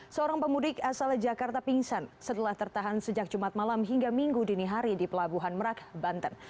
seorang pemudik asal jakarta pingsan setelah tertahan sejak jumat malam hingga minggu dini hari di pelabuhan merak banten